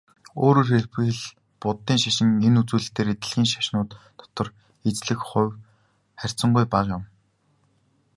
Өөрөөр хэлбэл, буддын шашин энэ үзүүлэлтээрээ дэлхийн шашнууд дотор эзлэх хувь харьцангуй бага юм.